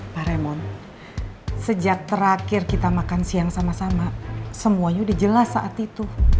pak remon sejak terakhir kita makan siang sama sama semuanya udah jelas saat itu